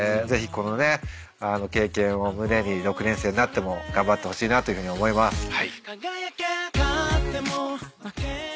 ぜひこのね経験を胸に６年生になっても頑張ってほしいなと思います。